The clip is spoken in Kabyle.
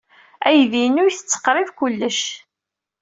Aydi-inu yettett qrib kullec.